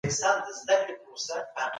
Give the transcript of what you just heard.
ټولنيزي چاري به د سياسي پوهي په مټ سمي سي.